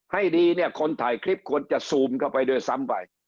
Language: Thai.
ให้ดีเนี่ยคนถ่ายคลิปควรจะซูมเข้าไปด้วยซ้ำไป